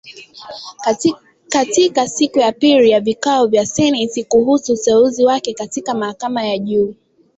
Katika siku ya pili ya vikao vya seneti kuhusu uteuzi wake katika mahakama ya juu